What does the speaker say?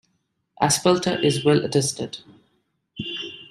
Aspelta is well attested.